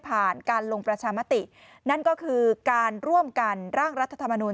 การลงประชามตินั่นก็คือการร่วมกันร่างรัฐธรรมนูล